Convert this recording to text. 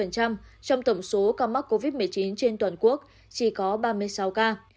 trong tổng số ca mắc covid một mươi chín trên toàn quốc chỉ có ba mươi sáu ca